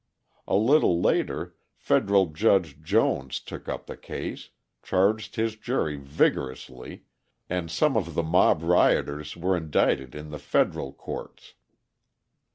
A little later Federal Judge Jones took up the case, charged his jury vigorously, and some of the mob rioters were indicted in the federal courts.